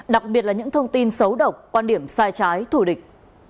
đặc biệt là những thông tin xấu độc quan điểm sai trái thù địch